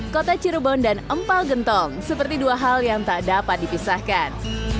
kota cirebon dan empal gentong seperti dua hal yang tak dapat dipisahkan